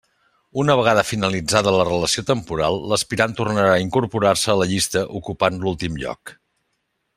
Una vegada finalitzada la relació temporal, l'aspirant tornarà a incorporar-se a la llista, ocupant l'últim lloc.